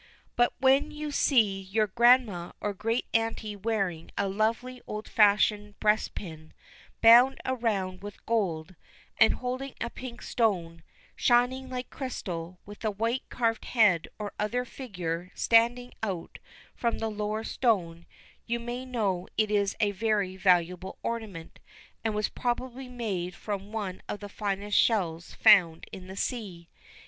But when you see your grandma or great auntie wearing a lovely old fashioned breastpin, bound around with gold, and holding a pink stone, shining like crystal, with a white carved head or other figure standing out from the lower stone, you may know it is a very valuable ornament, and was probably made from one of the finest shells found in the sea.